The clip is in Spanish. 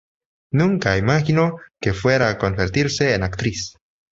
Nunca imaginó que fuera a convertirse en actriz.